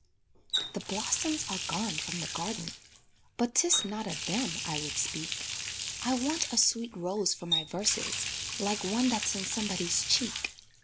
The blossoms are gone from the garden, But 'tis not of them I would speak; I want a sweet rose for my verses Like one that's in somebody's cheek.